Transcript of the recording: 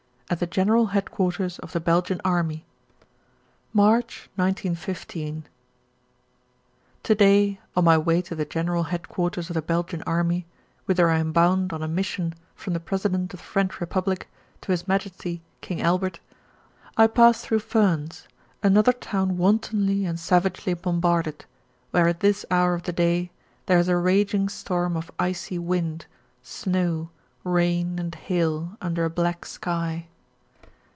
XI AT THE GENERAL HEADQUARTERS OF THE BELGIAN ARMY March, 1915. To day on my way to the General Headquarters of the Belgian Army, whither I am bound on a mission from the President of the French Republic to His Majesty King Albert, I pass through Furnes, another town wantonly and savagely bombarded, where at this hour of the day there is a raging storm of icy wind, snow, rain, and hail, under a black sky.